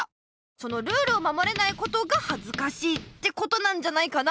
その「ルールを守れないことがはずかしい！」ってことなんじゃないかな。